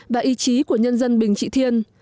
và ý chí của nhân dân bình trị thiên